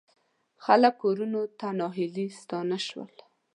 خلک کورونو ته ناهیلي ستانه شول.